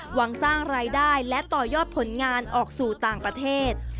หวังสร้างรายได้และต่อยอดผลงานออกสู่ต่างประเทศ